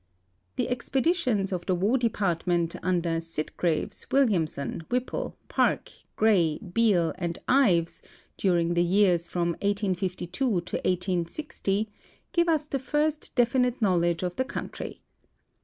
The expeditions of the War Department under Sitgreaves, Wil liamson, Whipple, Parke, Gray, Beale, and Ives during the years from 1852 to 1860 give us the first definite knowledge of the country.